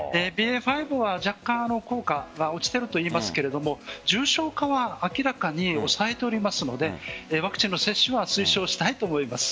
ＢＡ．５には若干、効果が落ちているといいますが重症化は明らかに抑えておりますのでワクチンの接種は推奨したいと思います。